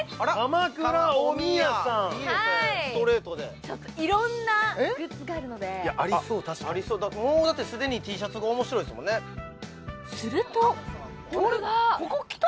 ストレートでちょっと色んなグッズがあるのでいやありそう確かにありそうもうすでにＴシャツが面白いですもんねするとえっ？